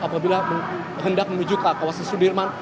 apabila hendak menuju ke kawasan sudirman